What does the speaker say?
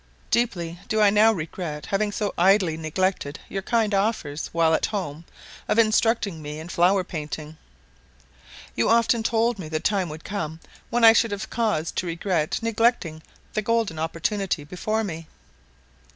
Deeply do I now regret having so idly neglected your kind offers while at home of instructing me in flower painting; you often told me the time would come when I should have cause to regret neglecting the golden opportunity before me.